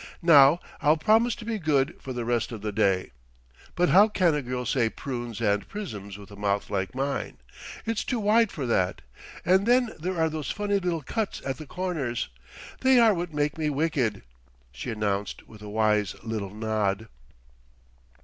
"Now I'll promise to be good for the rest of the day; but how can a girl say prunes and prisms with a mouth like mine. It's too wide for that, and then there are those funny little cuts at the corners; they are what make me wicked," she announced with a wise little nod.